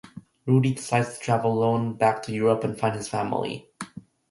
Rudi decides to travel alone back through Europe and find his family.